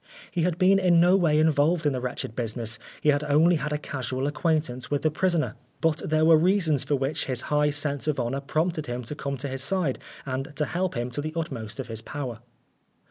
He had been in no way involved in the wretched business ; he had only had a casual acquaintance with the prisoner, but ' 160 Oscar Wilde there were reasons for which his high sense of honour prompted him to come to his side and to help him to the utmost of his power.